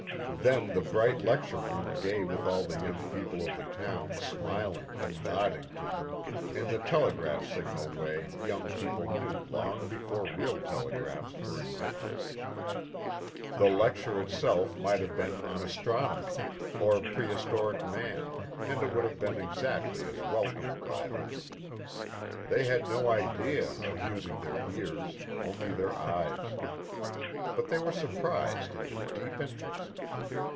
Then the bright lecture room gay with all the young peo ple of the town smiling and nodding to them in the telegraph signal way young people knew long before real telegraphs were invented. 9 10 THE The lecture itself might have been on astron omy or prehistoric man and it would have been exactly as welcomed by them ; they had no idea of using their ears, only their eyes. But they were surprised into deep interest.